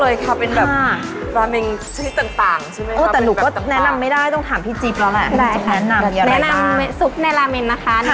รามังชนิดต่างต่างต้องอุ้แต่หนูก็แนะนำไม่ได้ต้องถามพี่จิ๊บแล้วแหละได้